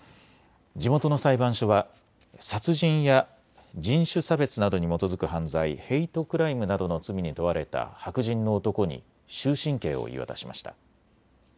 地元の裁判所は殺人や人種差別などに基づく犯罪・ヘイトクライムなどの罪に問われた白人の男に終身刑を言い渡しました。